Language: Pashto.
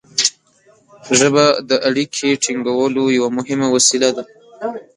ژبه د اړیکې ټینګولو یوه مهمه وسیله ده.